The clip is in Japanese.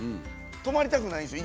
止まりたくないんですよ